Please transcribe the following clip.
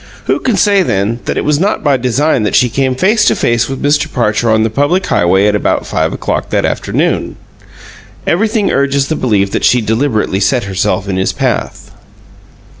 Who can say, then, that it was not by design that she came face to face with Mr. Parcher on the public highway at about five o'clock that afternoon? Everything urges the belief that she deliberately set herself in his path.